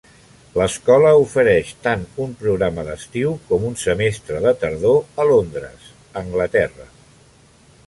L'escola ofereix tant un programa d'estiu com un semestre de tardor a Londres, Anglaterra.